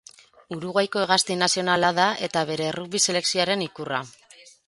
Uruguaiko hegazti nazionala da eta bere errugbi selekzioaren ikurra.